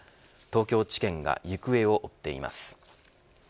東京地検が行方を追っています。